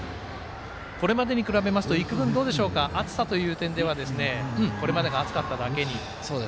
これまでに比べますと、いくぶん暑さという点ではこれまでが暑かっただけに。